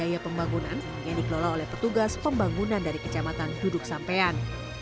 dan biaya pembangunan yang dikelola oleh petugas pembangunan dari kecamatan duduk sampean